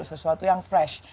sesuatu yang fresh